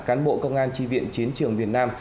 cán bộ công an tri viện chiến trường miền nam